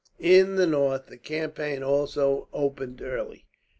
In the north the campaign also opened early.